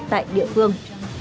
tại địa phương